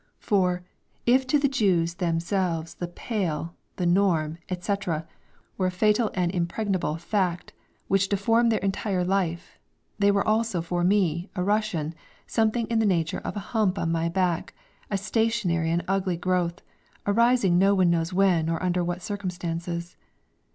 For, if to the Jews themselves the "Pale," the "norm," etc., were a fatal and impregnable fact, which deformed their entire life, they were also for me, a Russian, something in the nature of a hump on my back, a stationary and ugly growth, arising no one knows when or under what circumstances.